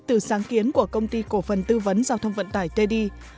từ sáng kiến của công ty cổ phần tư vấn giao thông vận tải td